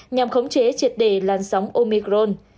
nhằm khống chế triệt đề lan sóng omicron